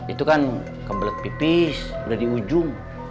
itu kan kebelet pipis udah di ujung